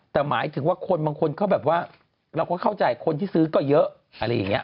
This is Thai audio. แต่หมายถึงว่าคนบางคนเขาแบบว่าเราก็เข้าใจคนที่ซื้อก็เยอะอะไรอย่างนี้